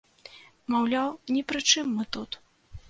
Маўляў, ні пры чым мы тут.